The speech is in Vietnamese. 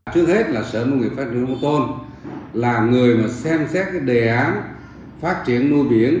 trước hết là sở ngpt là người mà xem xét cái đề án phát triển nuôi biển